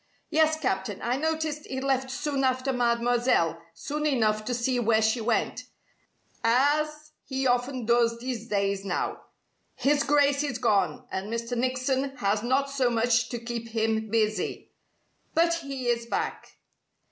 "Yes, Captain. I noticed he left soon after Mademoiselle, soon enough to see where she went as he often does these days now His Grace is gone, and Mr. Nickson has not so much to keep him busy. But he is back."